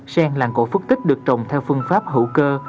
sen làng cổ phước tích được trồng theo phương pháp hữu cơ